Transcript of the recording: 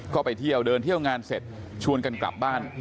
ก็ไปเที่ยวเดินเที่ยวงานเสร็จชวนกันกลับบ้าน